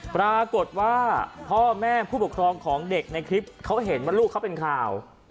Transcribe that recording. ปรากฏว่าพ่อแม่ผู้ปกครองของเด็กในคลิปเขาเห็นว่าลูกเขาเป็นข่าว